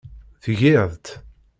Tgiḍ-tt.